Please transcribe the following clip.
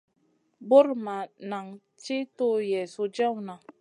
Bur ma nan ti tuw Yezu jewna.